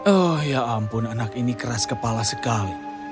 oh ya ampun anak ini keras kepala sekali